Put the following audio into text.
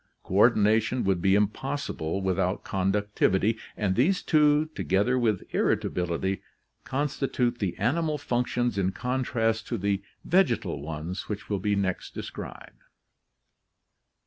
Coordination would be impossible without conductivity, and these two, together with irritability, constitute the animal functions in contrast to the vegetal ones which will be next described.